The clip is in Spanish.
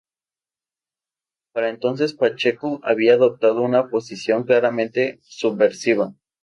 Para entonces Pacheco había adoptado una posición claramente subversiva.